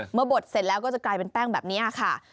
บดเสร็จแล้วก็จะกลายเป็นแป้งแบบนี้ค่ะ